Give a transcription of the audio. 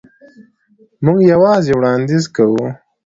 موږ یوازې وړاندیز کوو.